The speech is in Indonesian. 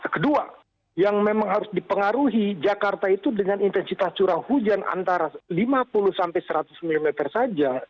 kedua yang memang harus dipengaruhi jakarta itu dengan intensitas curah hujan antara lima puluh sampai seratus mm saja